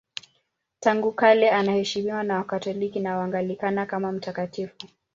Tangu kale anaheshimiwa na Wakatoliki na Waanglikana kama mtakatifu.